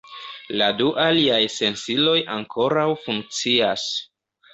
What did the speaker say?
La du aliaj sensiloj ankoraŭ funkcias.